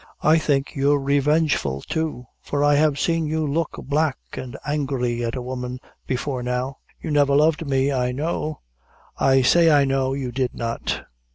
I think you're revengeful, too; for I have seen you look black an' angry at a woman, before now. You never loved me, I know I say I know you did not.